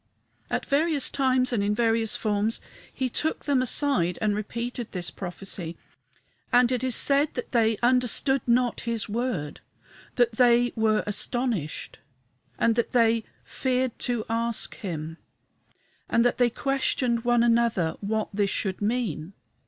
At various times and in various forms he took them aside and repeated this prophecy. And it is said that they "understood not his word;" that "they were astonished;" that they "feared to ask him;" that they "questioned one with another what this should mean."